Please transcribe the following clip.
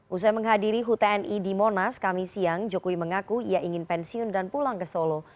usai menghadiri hutni di monas kami siang jokowi mengaku ia ingin pensiun dan pulang ke solo